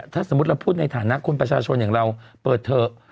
ถ้าสมมุติเราพูดในฐานะคนประชาชนอย่างเราเปิดเถอะ